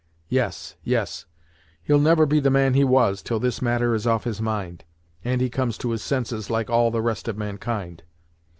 Yes Yes he'll never be the man he was, till this matter is off his mind, and he comes to his senses like all the rest of mankind.